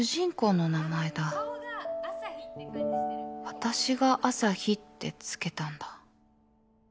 私がアサヒって付けたんだ